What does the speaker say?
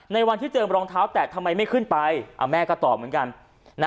ในวันที่เจอรองเท้าแต่ทำไมไม่ขึ้นไปแม่ก็ตอบเหมือนกัน